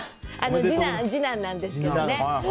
次男なんですけどね。